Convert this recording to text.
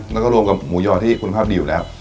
แล้วก็รวมกับหมูยอที่คุณภาพดีอยู่แล้ว